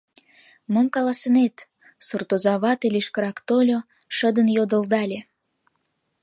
— Мом каласынет? — суртоза вате лишкырак тольо, шыдын йодылдале.